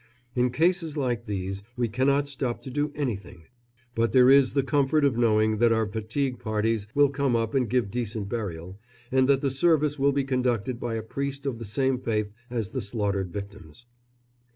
In cases like these we cannot stop to do anything; but there is the comfort of knowing that our fatigue parties will come up and give decent burial, and that the service will be conducted by a priest of the same faith as the slaughtered victims.